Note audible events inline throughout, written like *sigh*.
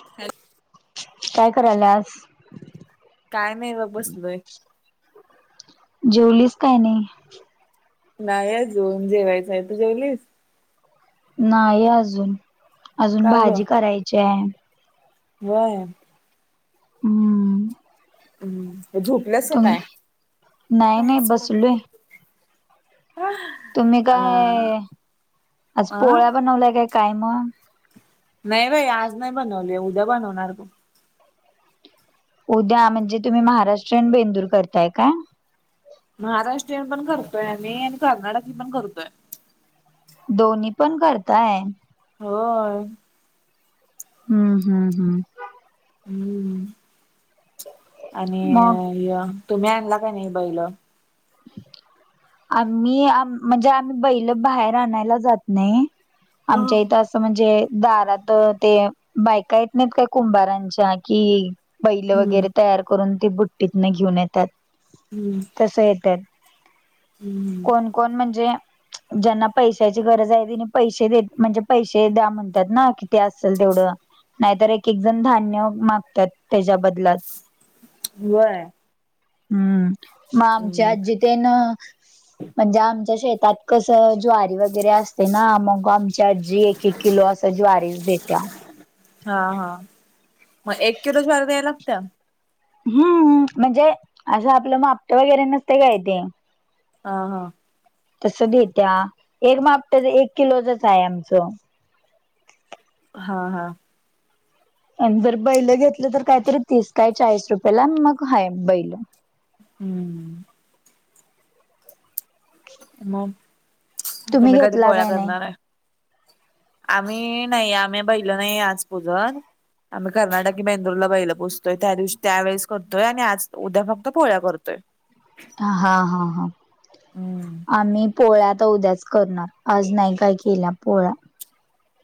*inaudible* काय कराल्यास काय नाही बघ बसलोय जेवलीस काय नाही नाही अजून जेवायचं आहे तु जेवलीस नाही अजून अजून का भाजी करायची हाय हम्म हम्म झोपल्यास का तुम नाही काय नाही बसलोय. *inaudible* तुम्ही अ काय आज अ पोळ्या बनवलाय काय मग नाही बाई आज नाही बनवले उद्या बनवणार बग उद्या म्हणजे तुम्ही महाराष्ट्रीयन बेंदूर करताय काय महाराष्ट्रीयन पण करतोय आणि कर्नाटक पण करतोय दोन्ही पण करताय होय हम्म हम्म हम्म हम्म मग आणि तुम्ही आणला काय नाही बैल *inaudible* आम्ही म्हणजे आम्ही बैल बाहेर आणायला जात नाही हम्म आमच्या इथं असं म्हणजे दारात ते बायका येत नाहीत काय कुंभारांच्या कि बैल वगैरे हम्म तयार करून ते बुट्टीतन घेऊन येतात हम्म तसंय हम्म कोणकोण म्हणजे. ज्यांना पैशाची गरज आहे तिनी पैसे देत म्हणजे पैसे द्या म्हणतात ना कि ते असेल तेवढं. नाहीतर एक एक जण धान्य मागतात त्याच्या बदल्यात. व्हय. हम्म मग आमच्या हम्म आजी तेन, म्हणजे आमच्या शेतात कसं ज्वारी वगैर वगैरे असते ना, मग आमच्या आजी एक एक किलो अस ज्वारीस देतेया. हा हा मग एक किलो ज्वारी द्यायला लागत्या. हम्म म्हणजे असं आपलं मापट वगैरे नसते काय ते. हा हा तसं देत्या एक मापट एक किलोचच आहे आमचं. हा हा आणि जर बैल घेतलं तर काहीतरी तीस काय चाळीस रुपयेला मग हाय बैल. हम्म मग तुम्ही कधी घेतला पोळ्या काय नाही करणार आहे? आम्ही नाही आम्ही बैलं नाही आज पुजत. आम्ही कर्नाटक की बेंदूरला बैला पुजतोय, त्या दिवशी त्यावेळेस करतोय आणि आज उद्या फक्त पोळ्या करतोय. हा हा हा हम्म. आम्ही पोळ्या तर उद्याच करणार. आज नाही काय केल्या पोळ्या.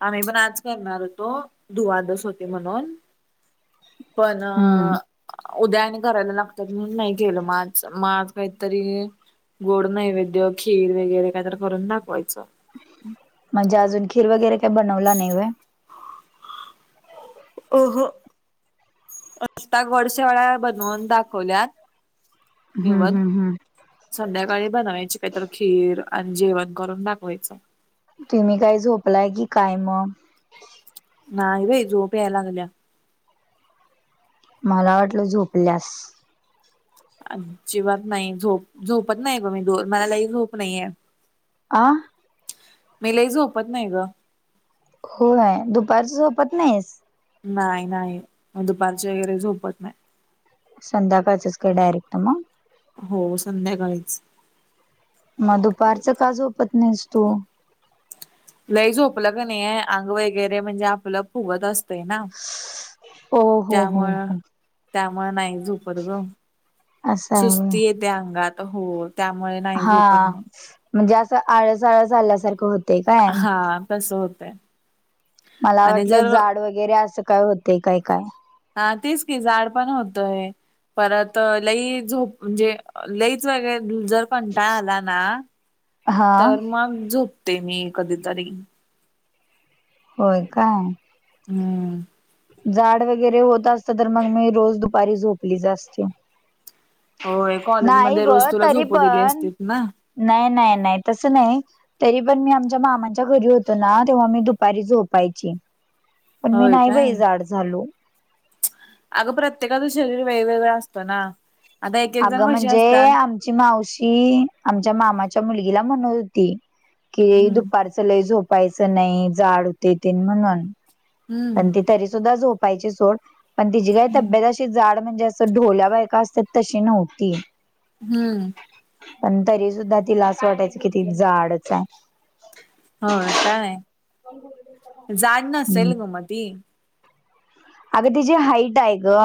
आम्ही पण आज करणार होतो दुवादस होती म्हणून- पण हम्म अं उद्या आणि करायला लागतात म्हणून नाही केेलं म आज म आज काहीतरी गोड नैवेद्य खीर वगैरे काहीतर करून दाखवायचं. म्हणजे अजून खीर वगैरे काही बनवला नाही व्हय. अहं *unintelligible* गोड शेवाळ्या बनवून दाखवल्यात हम्म निवद. हम्म हम्म संध्याकाळी बनवायची काहीतरी खीर आणि जेवण करून दाखवायचं. तुम्ही काय झोपलाय की काय मग? ना बाई झोप या लागलीया. मला वाटलं झोपल्यास. अजिबात नाही, झोप झोपत नाही ब मी मला लइ झोप नाहीये. आं मी लय झोपत नाही गं. होय दुपारचं झोपत नाहीस. नाय नाय म दुपारचे वगैरे झोपत नाय. संध्याकाळच डायरेक्ट मग, हो संध्याकाळीच मग दुपारच का झोपत नाहीस तू? लय झोपलं क नाही आहे अंग वगैरे म्हणजे आपलं फुगत असतय ना, हो हो हो त्यामुळं हो त्यामुळं नाही झोपत गं असं आहे होय सुस्ती त्या अंगात हो त्यामुळे नाही झोपत हा मग. म्हणजे असं आळस आळस आल्यासारखं होत. हा तसं होतंय. मला आणि वाटलं जर जाड वगैरे असं काय होते काय काय. हा तेच की जाड पण होतंय. परत लई झोप म्हणजे लईच वगरे जर कंटाळ आला ना हा तर मग झोपते मी कधीतरी. होय काय. हम् जाड वगैरे होत असत तर मग मी रोज दुपारी झोपलीच असती. होय कॉलेजमध्ये ग रोज तुला तरी झोपु दिली पण असते ना. नाही नाही नाही तस नाही. तरी पण मी आमच्या मामांच्या घरी होतो ना तेव्हा मी दुपारी झोपायची. पण मी होय नाही काय? बाई जाड झाले. अगं प्रत्येकाचं शरीर वेगवेगळ असतं ना आता एक एक जण अगं कशी म्हणजे असतात. आमची मावशी आमच्या मामाच्या मुलगीला म्हणत होती की हम्म दुपार लय झोपायच नाही जाड होते तेन म्हणून. हम्म आणि ती तरी सुद्धा झोपायची सोड पण तिची काय हम्म. तब्येत अशी जाड म्हणजे असं ढोल्या बायका असतात तशी नव्हती. हम्म. पण तरी सुुद्धा तिला असं वाटायचं कि ती जाडच आहे. हो काय जाड नसेेल ग मग ती. अगं तिची हाईट आहे ग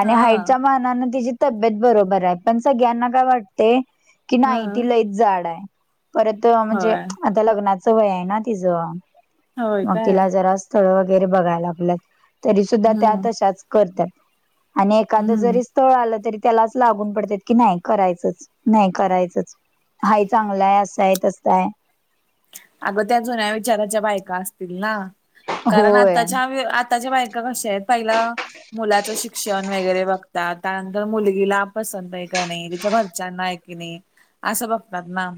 आणि हा. हाईटच्या माना तिची तब्येत बरोबर आहे पण सगळ्यांना काय वाटे की हा नाही ती लय जाड आहे परत म्हणजे होय आता लग्नाचं वय आहे ना तिच. होय मग काय तिला जरा स्थळ वगैरे बघायला लागल्यात तरी सुद्धा त्या हम्म तशाच. करतात आणि एखाद हम्म. जरी स्थळं आलं तरी त्याला असं लागून पडत्यात की नाही करायचंच नाही करायचंच. हाय चांगला आहे असा आहे तसाय अगं त्या जुन्या विचाराच्या बायका असतील ना कारण होय आताच्या ताच्या बायका कश्यात आहेत पहिला मुलाचं शिक्षण वगैरे बघतात त्यानंतर मुलगीला पसंत आहे काय नाही तिच्या घरच्यांना कि नाही असं बघतात ना.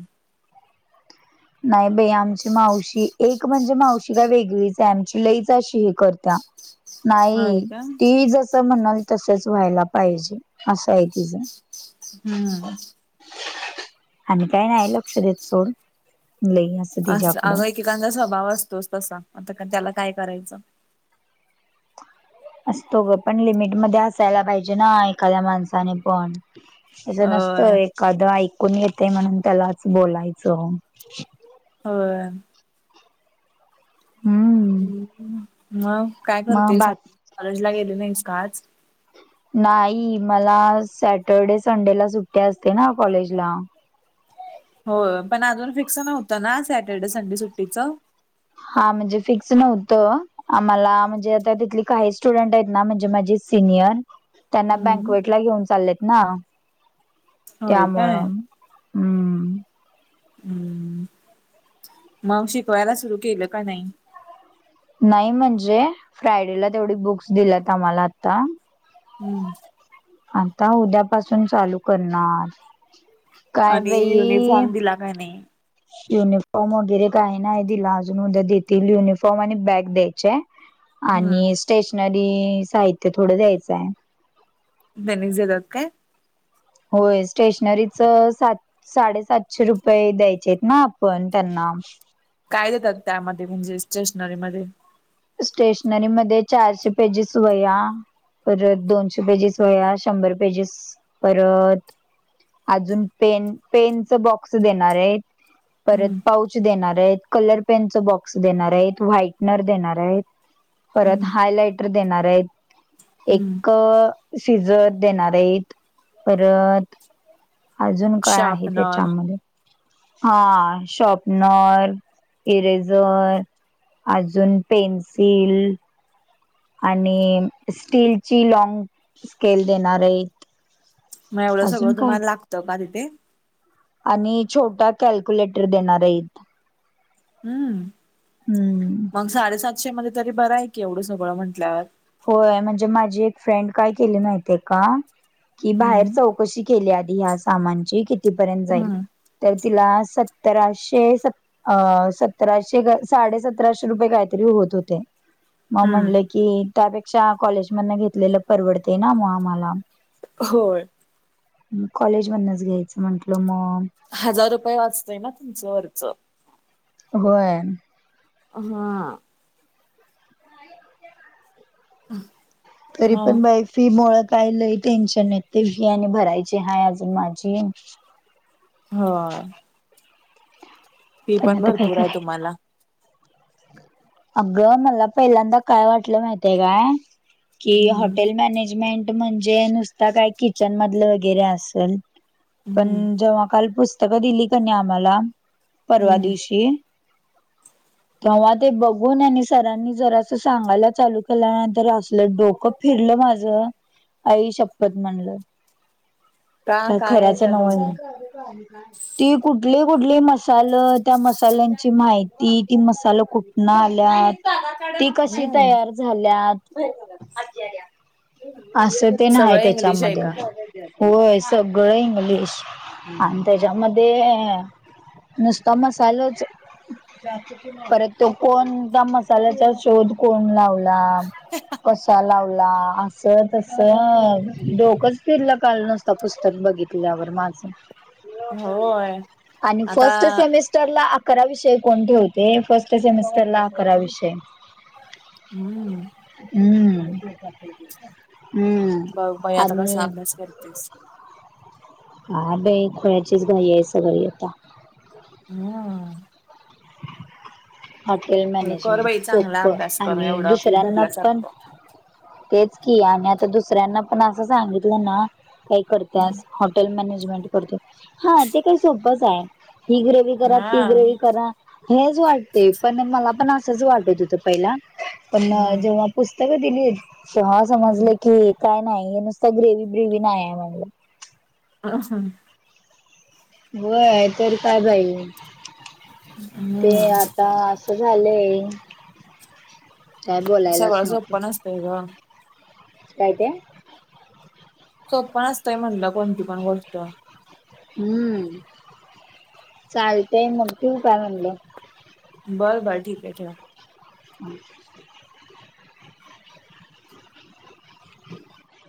नाही बाई आमची मावशी एक म्हणजे मावशी काय वेगळीच आहे आमची लईच अशी हे करत्या. *inaudible* होय नाही का ती जस म्हणाल तसच व्हायला असं आहे तिचं. हम्म. आम्ही काय नाही लक्ष देत सोड लई अस असं अगं एकेकांचा स्वभाव असतोच तसा आता त्याला काय करायचं. असतो ग पण लिमिट मध्ये असायला पाहिजे ना एखाद्या माणसाने पण. असं होय नसतं एखादं ऐकून येते म्हणून त्यालाच बोलायचं. होय. हम्म. हम् मग काय मग करतेस बा आणि कॉलेज ला गेली नाहीस का आज? नाही मला सॅटरडे संडेला सुट्टी असते ना कॉलेजला. हो पण अजून फिक्स नव्हतं ना सॅटर्डे संडे सुट्टीचं. हा म्हणजे फिक्स नव्हतं. आम्हाला म्हणजे आता तिथली काही स्टुडंट आहेत ना, म्हणजे माझे सिनियर. त्यांना हम्म बँकवेटला घेऊन चाललेत ना. होय काय त्यामुळं हम्म. हम्म, मग शिकवायला सुरु केलं का नाही? नाही म्हणजे फ्रायडेला तेवढी बुक्स दिल्यात आम्हाला आता. हम्म. आता उद्यापासून चालू करणार. काय आणि बाई युनिफॉर्म दिला काय नाय. युनिफॉर्म वगैरे काही नाही दिला अजून उद्या देतील, युनिफॉर्म आणि बॅग द्यायची हाय. हम्म आणि स्टेशनरी साहित्य थोडं द्यायचं आहे. तेनीच देतात काय? होय स्टेशनरीचं सात साडेसातशे रुपये द्यायचेत ना आपण त्यांना. काय देतात त्यामध्ये म्हणजे स्टेशनरीमध्ये? स्टेशनरीमध्ये चारशे पेजेस वह्या परत दोनशे पेजेस वह्या, शंभर पेजेस परत अजून पेन पेनच बॉक्स देणार आहेत. परत हम्म पाऊच देणार हायत, कलर पेनचं बॉक्स देणार हायत, व्हाईटनर देणार परत हम्म हायलाइटर देणार आहेत. हम्म एक शिजर देणार हायत. परत अजून काय आहे शार्पनर त्याच्यामध्ये. हां शॉपनर, इरेझर अजून पेन्सिल आणि स्टीलची लाॅंग स्केल देणारेत. मग एवढं सगळं तुम्हाला लागतं का तिथे? आणि छोटा कॅल्क्युलेटर देणार आहेत. हम्म. हम्म. मग साडेसातशे मध्ये तरी बरं आहे की, एवढं सगळं म्हंटल्यावर. होय म्हणजे माझी एक फ्रेंड काय केली माहिती आहे का, की बाहेर हम्म चौ कशी केली आधी ह्या सामानची, कितीपर्यंत जाईल? हम्म तर तिला सतराशे स अ सतराशे काय साडेसतराशे रुपये कायतरी होत होते. म हम्म म्हटलं की, त्यापेक्षा कॉलेज मधनं घेतलेलं परवडतंय ना मग आम्हाला. होय. कॉलेजमधनच घ्यायचं म्हंटलं मग. हजार रुपये वाचतंय ना तुमचं वरचं. होय. हां. *inaudible* तरी पण बाई फी मुळं काय लय टेन्शन येतंय, फी आणि भरायची हाय अजून माझी. होय. फी पण आता काय भरपूर आहे करायच तुम्हाला. अगं मला पहिल्यांदा काय वाटलं माहितीय काय, की हॉ हम्म हॉटेल मॅनेजमेंट म्हणजे नुसतं काय किचन मधलं वगैरे असेल. हम्म पण जेव्हा काल पुस्तकं दिली का नाही आम्हाला परवा हम्म दिवशी. तेव्हा ते बघून, गून आणि सरांनी जरा असं सांगायला चालू केल्यानंतर असलं डोकं फिरलं माझं. आईशप्पथ म्हणलं. का काय आहे खऱ्याच त्यात नव्ह अजून हे. ती कुठली कुठली मसाल त्या मसाल्यांची माहिती ती मसाल कुठ कुठनं आल्यात ती कशी हम्म तयार, झाल्यात असं तेन हाय सगळं इंग्लिश आहे त्यांच्यामध्ये. का व्हय सगळं इंग्लिश आणि त्यांच्यामध्ये नुस्ता मसालच, परत तो कोण त्या मसाल्याचा शोध कोण लावला कसा लाव ला असं तसं डोकच फिरल काल नसत पुस्तक बघितल्यावर माझं. होय आणि आता फर्स्ट सेमिस टर ला अकरा विषय कोण ठेवते होते फर्स्ट सेमेस्टरला अकरा विषय. हम्म हम्म हम्म आणि तेच. हा बाई खोळ्याचीच घाई आहे सगळी आता.. हम्म हॉटेल खरं कर मॅनेजमेंट बाई चांगला सोप्पं अभ्यास कर आणि एवढा फी दुसऱ्यांना पण, भरल्यासारखं तेच की आम्ही आता दुसऱ्यांना पण असं सांगितलं ना, काही करत्यास हॉटेल मॅनेजमेंट करतोय हा ते काही सोपच हाय. हि ग्रेवी करा हा ती ग्रेवी करा हेच वाट ते पण मला पण असंच वाटत होतं पहिला पण हम्म जेव्हा पुस्तकं दिलीत. सहासमजल की काय नाही हे नुस्ता ग्रेव्ही ब्रेव्ही नाही आहे म्हणून. आहां व्हय तर काय बाई ते हम्म आता. झालंय. काय बोलायलाच सगळं नको झोप्प नसतंय ग. काय ते सोप्प नसतंय म्हणलं कोणती पण गोष्ट. हम्म चालतंय मग ठिवु काय म्हणलं. बर बर ठीक हे ठेवा. हां *inaudible*